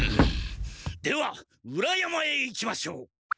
では裏山へ行きましょう！